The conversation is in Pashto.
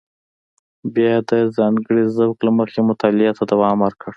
بیا یې د ځانګړي ذوق له مخې مطالعه ته دوام ورکړ.